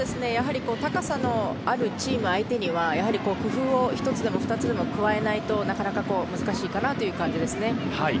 高さのあるチームには工夫を１つ２つ加えないとなかなか難しい感じですね。